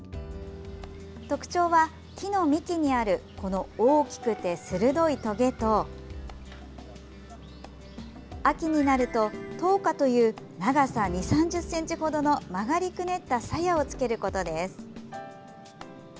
特徴は、木の幹にあるこの大きくて鋭いとげと秋になると豆果という長さ２０３０ｃｍ程の曲がりくねったさやをつけることです。